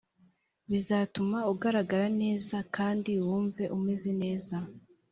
bizatuma ugaragara neza kandi wumve umeze neza